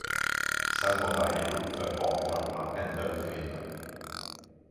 Sen bar vägen uppför baktrapporna ända upp till vinden.